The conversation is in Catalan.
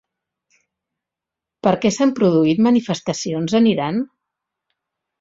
Per què s'han produït manifestacions en Iran?